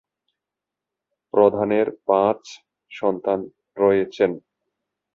প্রধানের পাঁচ সন্তান রয়েছেন।